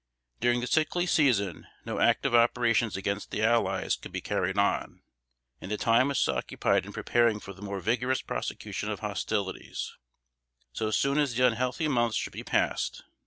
During the sickly season no active operations against the allies could be carried on, and the time was occupied in preparing for the more vigorous prosecution of hostilities, so soon as the unhealthy months should be passed.